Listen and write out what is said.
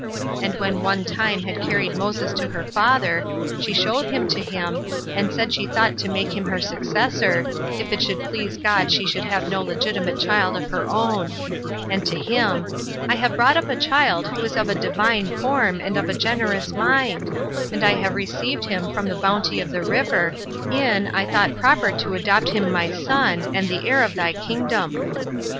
And when one time had carried Moses to her father, she showed him to him, and said she thought to make him her successor, if it should please God she should have no legitimate child of her own; and to him, "I have brought up a child who is of a divine form, 21 and of a generous mind; and as I have received him from the bounty of the river, in, I thought proper to adopt him my son, and the heir of thy kingdom."